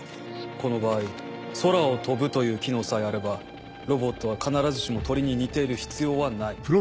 この場合空を飛ぶという機能さえあればロボットは必ずしも鳥に似ている必要はない。